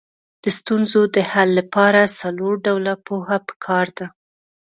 د ستونزې د حل لپاره څلور ډوله پوهه پکار ده.